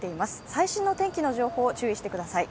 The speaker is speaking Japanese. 最新の天気の情報を注意してください。